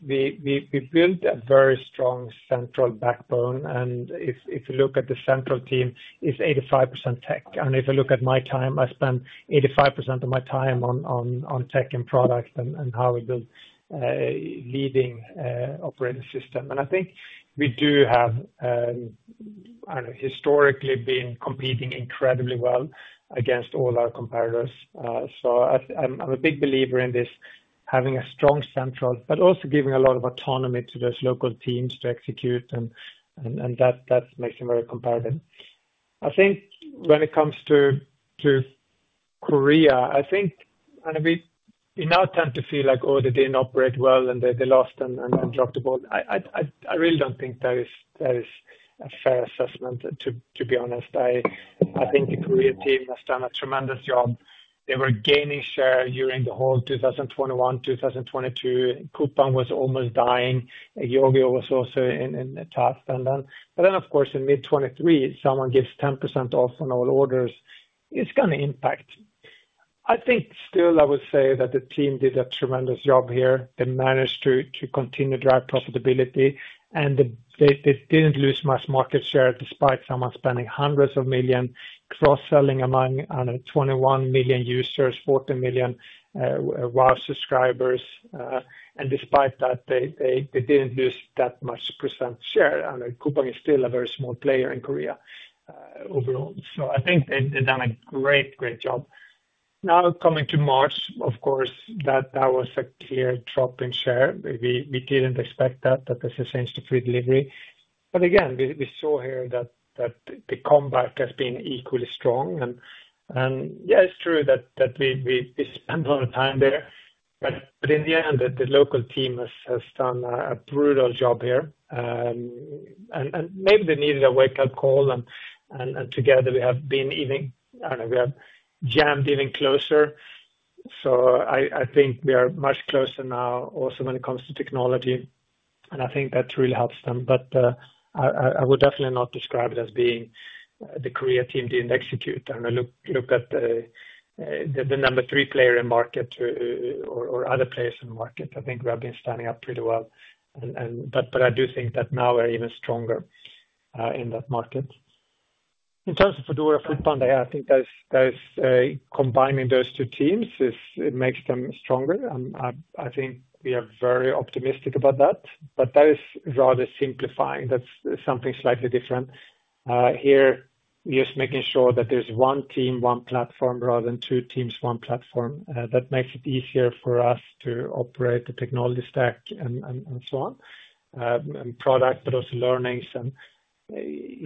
So we built a very strong central backbone, and if you look at the central team, it's 85% tech. And if you look at my time, I spend 85% of my time on tech and product and how we build leading operating system. And I think we do have, I don't know, historically been competing incredibly well against all our competitors. So I'm a big believer in this, having a strong central, but also giving a lot of autonomy to those local teams to execute, and that makes them very competitive. I think when it comes to Korea, I think we now tend to feel like, oh, they didn't operate well, and they lost and dropped the ball. I really don't think that is a fair assessment, to be honest. I think the Korea team has done a tremendous job. They were gaining share during the whole two thousand and twenty-one, two thousand and twenty-two. Coupang was almost dying, and Yogiyo was also in a tough stand down. But then, of course, in mid 2023, someone gives 10% off on all orders, it's gonna impact. I think still I would say that the team did a tremendous job here. They managed to continue to drive profitability, and they didn't lose much market share, despite someone spending hundreds of million cross-selling among, I don't know, twenty-one million users, fourteen million Wow subscribers. And despite that, they didn't lose that much percent share. I know Coupang is still a very small player in Korea overall. So I think they've done a great, great job. Now, coming to March, of course, that was a clear drop in share. We didn't expect that there's a change to free delivery. But again, we saw here that the comeback has been equally strong. Yeah, it's true that we spent a lot of time there, but in the end, the local team has done a brutal job here. And maybe they needed a wake-up call, and together we have been even... I don't know, we have jammed even closer. So I think we are much closer now also when it comes to technology, and I think that really helps them. But I would definitely not describe it as being the Korea team didn't execute. And I look at the number three player in market or other players in the market. I think we have been standing up pretty well. And but I do think that now we're even stronger in that market. In terms of Foodora and Foodpanda, I think there's combining those two teams. It makes them stronger. I think we are very optimistic about that, but that is rather simplifying. That's something slightly different. Here, we're just making sure that there's one team, one platform, rather than two teams, one platform. That makes it easier for us to operate the technology stack and so on. And product, but also learnings and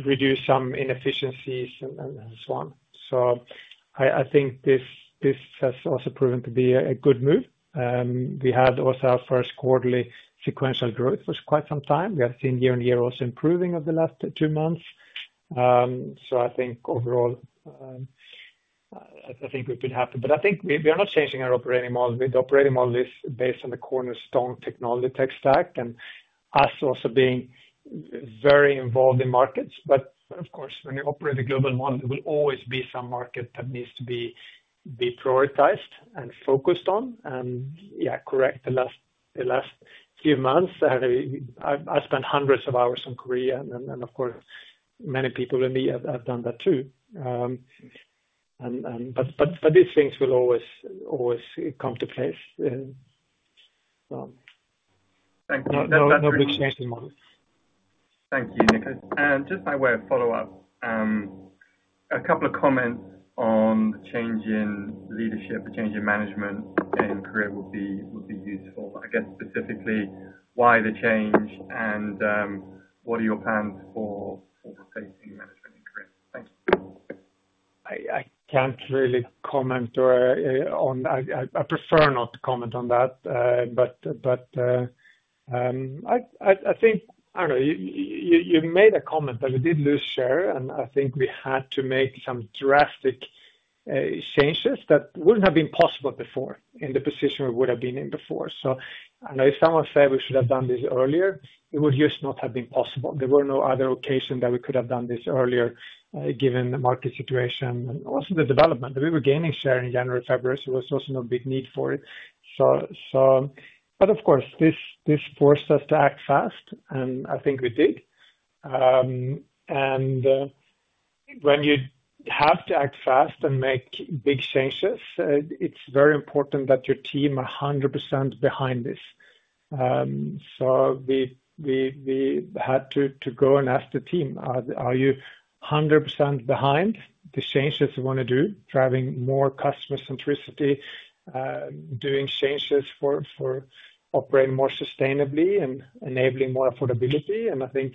reduce some inefficiencies and so on. So I think this has also proven to be a good move. We had also our Q1ly sequential growth for quite some time. We have seen year on year also improving over the last two months. So I think overall, I think we've been happy. But I think we are not changing our operating model. The operating model is based on the cornerstone technology tech stack, and us also being very involved in markets. But of course, when you operate a global model, there will always be some market that needs to be prioritized and focused on. And yeah, correct, the last few months, I spent hundreds of hours on Korea, and of course, many people with me have done that too. But these things will always come to place. Thank you. No big change in models. Thank you, Niklas. And just by way of follow-up, a couple of comments on the change in leadership, the change in management in Korea will be useful. I guess specifically, why the change, and what are your plans for replacing management in Korea? Thanks. I can't really comment or on. I prefer not to comment on that. But I think I don't know you made a comment that we did lose share, and I think we had to make some drastic changes that wouldn't have been possible before, in the position we would have been in before. So I know if someone said we should have done this earlier, it would just not have been possible. There were no other occasion that we could have done this earlier, given the market situation and also the development. We were gaining share in January, February, so there was also no big need for it. So. But of course, this forced us to act fast, and I think we did. When you have to act fast and make big changes, it's very important that your team are 100% behind this. So we had to go and ask the team: Are you 100% behind the changes we wanna do, driving more customer centricity, doing changes for operating more sustainably and enabling more affordability? And I think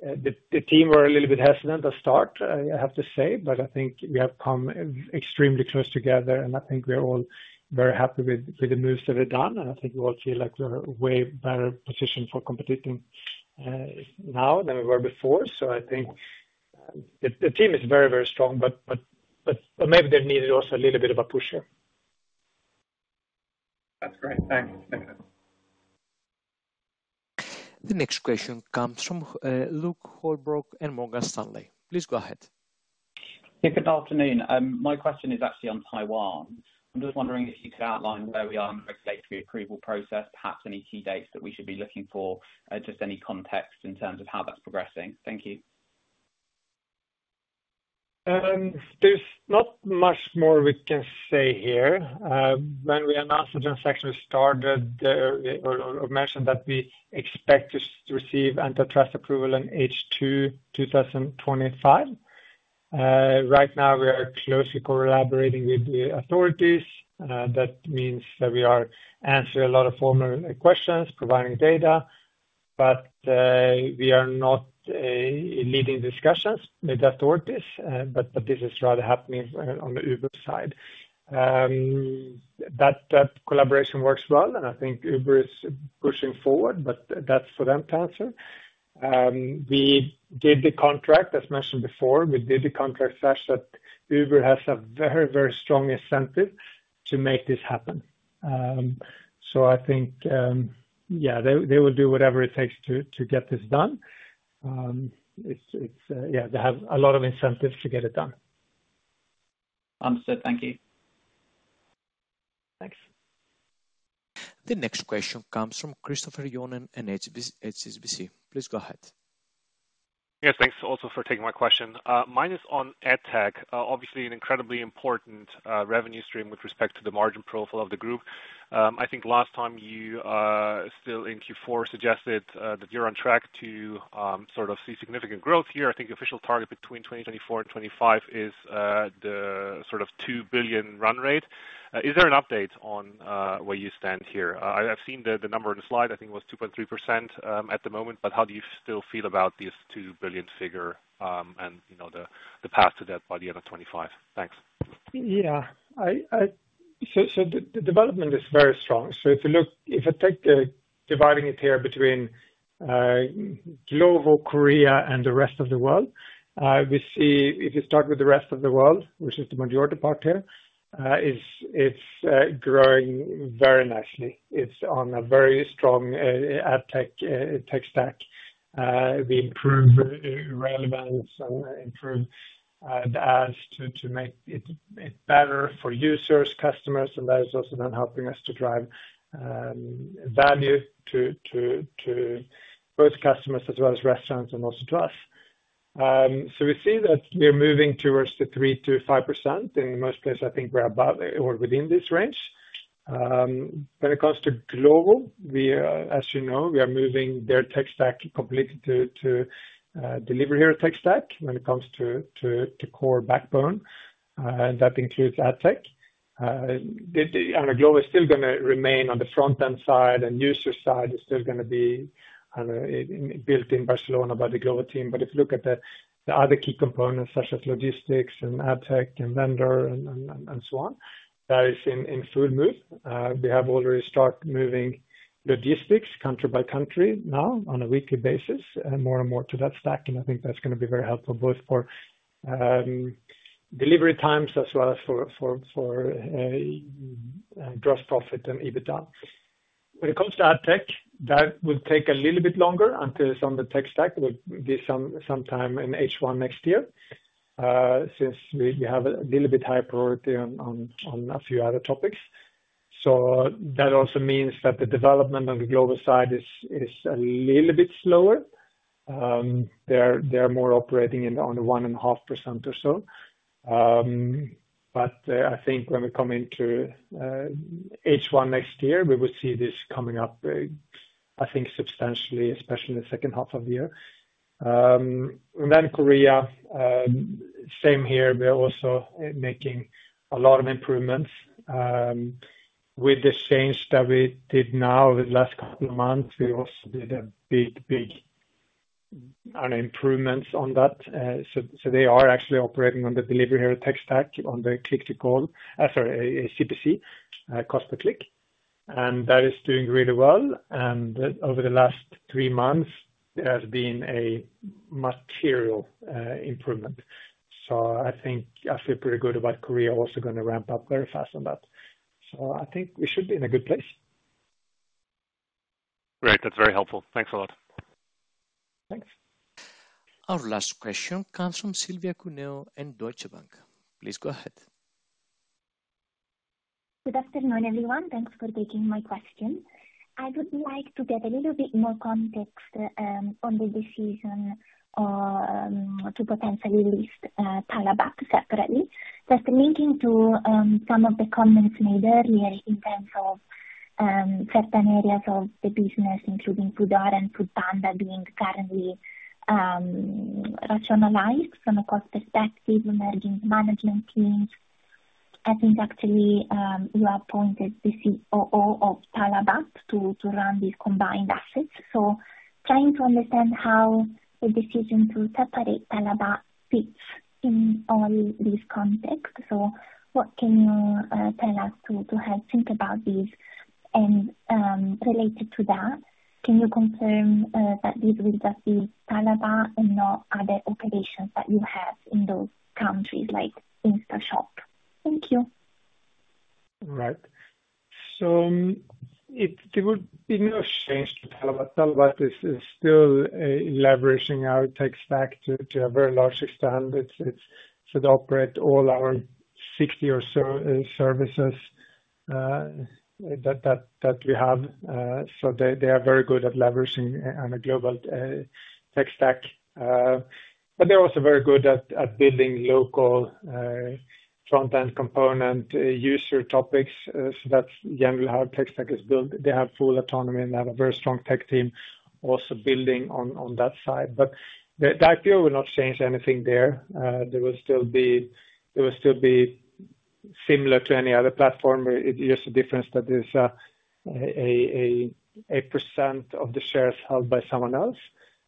the team were a little bit hesitant to start, I have to say, but I think we have come extremely close together, and I think we are all very happy with the moves that we've done. And I think we all feel like we're way better positioned for competing now than we were before. So I think the team is very, very strong, but maybe they needed also a little bit of a pusher. That's great. Thanks. The next question comes from Luke Holbrook in Morgan Stanley. Please go ahead. Good afternoon. My question is actually on Taiwan. I'm just wondering if you could outline where we are in the regulatory approval process, perhaps any key dates that we should be looking for, just any context in terms of how that's progressing. Thank you. There's not much more we can say here. When we announced the transaction, we mentioned that we expect to receive antitrust approval in H2, two thousand and twenty-five. Right now, we are closely collaborating with the authorities. That means that we are answering a lot of formal questions, providing data, but we are not leading discussions with the authorities, but this is rather happening on the Uber side. That collaboration works well, and I think Uber is pushing forward, but that's for them to answer. We did the contract, as mentioned before, we did the contract such that Uber has a very, very strong incentive to make this happen. So I think, yeah, they will do whatever it takes to get this done. It's... Yeah, they have a lot of incentives to get it done. Understood. Thank you. Thanks. The next question comes from Christopher Johnen at HSBC. Please go ahead. Yes, thanks also for taking my question. Mine is on AdTech. Obviously an incredibly important revenue stream with respect to the margin profile of the group. I think last time you still in Q4 suggested that you're on track to sort of see significant growth here. I think the official target between 2024 and 2025 is the sort of 2 billion run rate. Is there an update on where you stand here? I've seen the number on the slide, I think it was 2.3% at the moment, but how do you still feel about this two billion figure, and you know the path to that by the end of 2025? Thanks. Yeah, so the development is very strong. So if you look, if I take the dividing it here between Glovo, Korea, and the rest of the world, we see if you start with the rest of the world, which is the majority part here, it's growing very nicely. It's on a very strong AdTech tech stack. We improve relevance and improve the ads, to make it better for users, customers, and that is also then helping us to drive value to both customers as well as restaurants and also to us. So we see that we are moving towards the 3%-5%. In most places, I think we're above or within this range. When it comes to Glovo, we are, as you know, we are moving their tech stack completely to Delivery Hero tech stack when it comes to core backbone, and that includes AdTech. Glovo is still gonna remain on the front-end side, and user side is still gonna be built in Barcelona by the Glovo team. But if you look at the other key components, such as logistics and AdTech and vendor and so on, that is in full move. We have already started moving logistics country by country now on a weekly basis, and more and more to that stack, and I think that's gonna be very helpful both for delivery times as well as for gross profit and EBITDA. When it comes to AdTech, that will take a little bit longer until it's on the tech stack. It will be sometime in H1 next year, since we have a little bit high priority on a few other topics. So that also means that the development on the Glovo side is a little bit slower. They're more operating in only 1.5% or so. But I think when we come into H1 next year, we will see this coming up, I think, substantially, especially in the second half of the year. And then Korea, same here. We are also making a lot of improvements. With the change that we did now, the last couple of months, we also did a big improvements on that. They are actually operating on the Delivery Hero tech stack on CPC, cost per click, and that is doing really well, and over the last three months, there has been a material improvement, so I think I feel pretty good about Korea also gonna ramp up very fast on that, so I think we should be in a good place. Great. That's very helpful. Thanks a lot. Thanks. Our last question comes from Silvia Cuneo in Deutsche Bank. Please go ahead. ... Good afternoon, everyone. Thanks for taking my question. I would like to get a little bit more context on the decision to potentially list Talabat separately. Just linking to some of the comments made earlier in terms of certain areas of the business, including Foodora and Foodpanda, being currently rationalized from a cost perspective, management teams. I think actually you have appointed the COO of Talabat to run these combined assets. So trying to understand how the decision to separate Talabat fits in all this context. So what can you tell us to help think about this? And related to that, can you confirm that this will just be Talabat and not other operations that you have in those countries, like InstaShop? Thank you. Right. There would be no change to Talabat. Talabat is still leveraging our tech stack to a very large extent. It's so they operate all our 60 or so services that we have, so they are very good at leveraging on a global tech stack, but they're also very good at building local front-end component user topics, so that's generally how our tech stack is built. They have full autonomy, and they have a very strong tech team also building on that side, but the IPO will not change anything there. There will still be similar to any other platform, where it's just a difference that there's a percent of the shares held by someone else.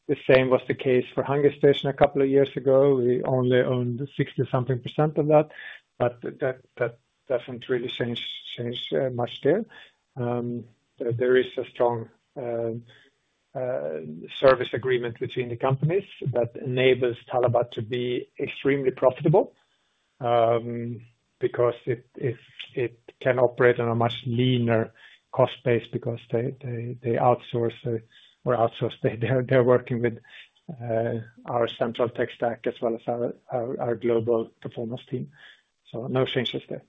The same was the case for Hungerstation a couple of years ago. We only owned 60-something% of that, but that doesn't really change much there. There is a strong service agreement between the companies that enables Talabat to be extremely profitable, because it can operate on a much leaner cost base because they outsource, they're working with our central tech stack as well as our global performance team. So no changes there.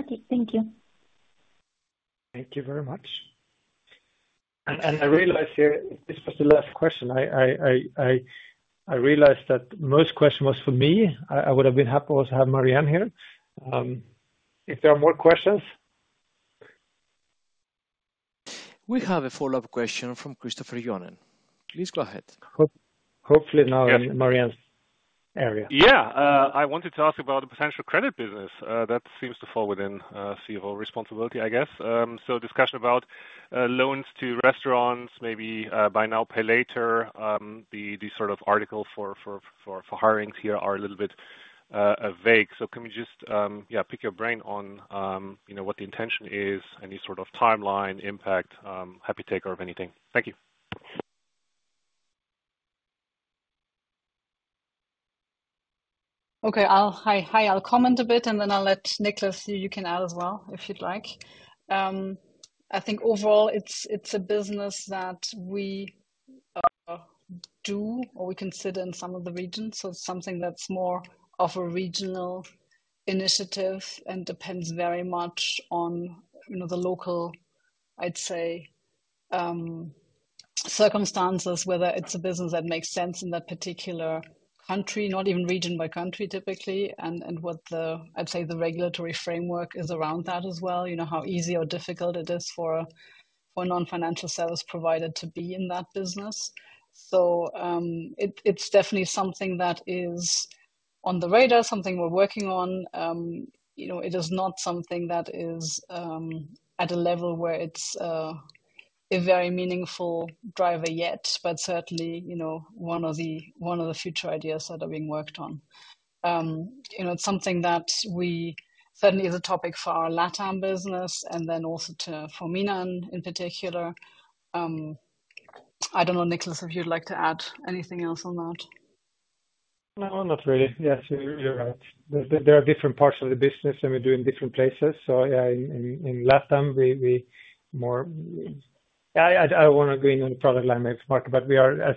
Okay. Thank you. Thank you very much. And I realize here, this was the last question. I realize that most question was for me. I would have been happy to also have Marianne here. If there are more questions? We have a follow-up question from Christopher Johnen. Please go ahead. Hopefully now in Marianne's area. Yeah, I wanted to ask about the potential credit business that seems to fall within CFO responsibility, I guess. So discussion about loans to restaurants, maybe buy now, pay later. The sort of article for hirings here are a little bit vague. So can we just yeah, pick your brain on you know, what the intention is, any sort of timeline, impact, happy to take over anything. Thank you. Okay. Hi, hi. I'll comment a bit, and then I'll let Niklas you can add as well, if you'd like. I think overall, it's a business that we do or we consider in some of the regions. So something that's more of a regional initiative and depends very much on, you know, the local, I'd say, circumstances, whether it's a business that makes sense in that particular country, not even region by country, typically, and what the, I'd say, the regulatory framework is around that as well. You know, how easy or difficult it is for a non-financial service provider to be in that business. So, it's definitely something that is on the radar, something we're working on. You know, it is not something that is at a level where it's a very meaningful driver yet, but certainly, you know, one of the future ideas that are being worked on. You know, it's something that we certainly is a topic for our LatAm business and then also too, for MENA in particular. I don't know, Niklas, if you'd like to add anything else on that? No, not really. Yes, you're right. There are different parts of the business, and we do in different places. So, yeah, in LatAm, we... Yeah, I don't wanna go into any product line market, but we are, as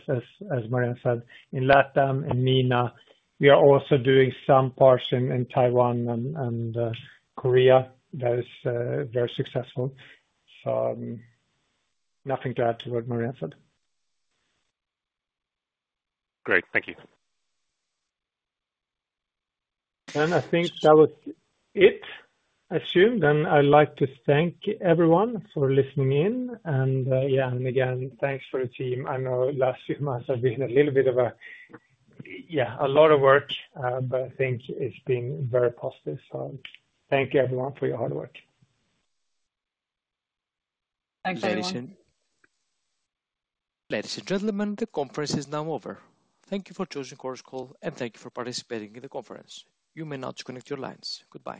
Marianne said, in LatAm, in MENA, we are also doing some parts in Taiwan and Korea. That is very successful. So, nothing to add to what Marianne said. Great. Thank you. And I think that was it, I assume. Then I'd like to thank everyone for listening in, and yeah, and again, thanks for the team. I know last few months have been a little bit of a yeah, a lot of work, but I think it's been very positive. So thank you, everyone, for your hard work. Thanks, everyone. Ladies and- Ladies and gentlemen, the conference is now over. Thank you for choosing Chorus Call, and thank you for participating in the conference. You may now disconnect your lines. Goodbye.